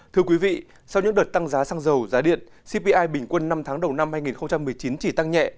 thưa quý vị sau những đợt tăng giá xăng dầu giá điện cpi bình quân năm tháng đầu năm hai nghìn một mươi chín chỉ tăng nhẹ